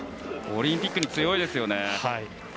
オリンピックに強いですよね。